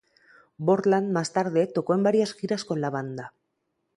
Borland más tarde tocó en varias giras con la banda.